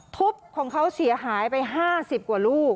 ทุบของเขาเสียหายไป๕๐กว่าลูก